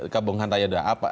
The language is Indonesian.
kebongkahan tanya tanya apa